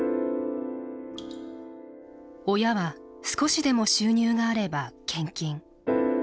親は少しでも収入があれば献金。